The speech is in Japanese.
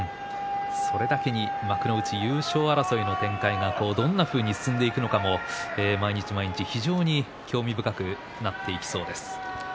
それだけに幕内優勝争いの展開がどんなふうに進んでいくのかも毎日毎日非常に興味深くなってきそうです。